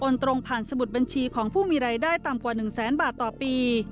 ตรงผ่านสมุดบัญชีของผู้มีรายได้ต่ำกว่า๑แสนบาทต่อปี